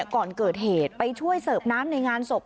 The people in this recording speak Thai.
ก่อนเกิดเหตุไปช่วยเสิร์ฟน้ำในงานศพ